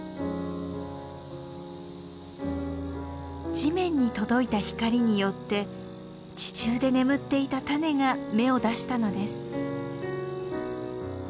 地面に届いた光によって地中で眠っていた種が芽を出したのです。